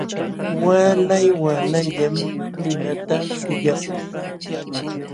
Waalay waalayllam limata illakun.